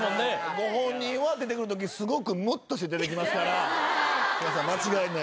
ご本人は出てくるときすごくむっとして出てきますから皆さん間違えないように。